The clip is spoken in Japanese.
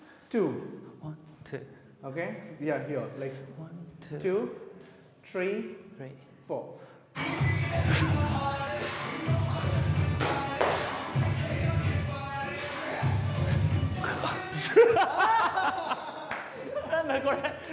何だこれ！